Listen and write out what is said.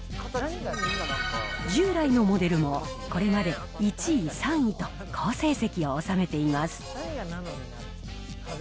従来のモデルもこれまで１位、３位と好成績を収めています。